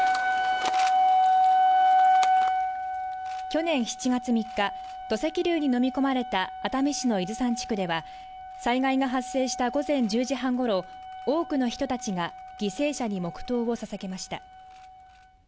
去年７月３日、土石流に飲み込まれた熱海市の伊豆山地区では災害が発生した午前１０時半ごろ、多くの人たちが犠牲者に黙とうを捧げました。